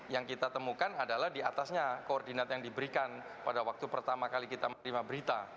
yang kita temukan adalah diatasnya koordinat yang diberikan pada waktu pertama kali kita menerima berita